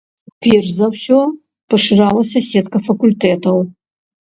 Перш за ўсё, пашыралася сетка факультэтаў.